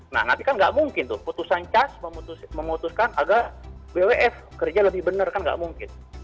nah tapi kan nggak mungkin tuh putusan cas memutuskan agar bwf kerja lebih benar kan nggak mungkin